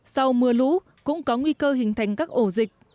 sau mưa lũ cũng có nguy cơ hình thành các ổ dịch